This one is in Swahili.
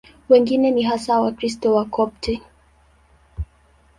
Wengine ni hasa Wakristo Wakopti.